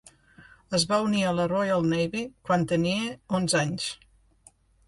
Es va unir a la Royal Navy quan tenia onze anys.